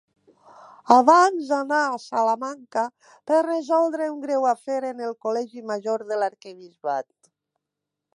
Abans anà a Salamanca per resoldre un greu afer en el col·legi major de l'arquebisbat.